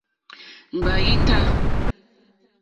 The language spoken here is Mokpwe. Ŋɡbâ í tâ.